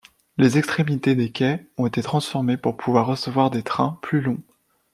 Les extrémités des quais ont été transformées pour pouvoir recevoir des trains plus longs.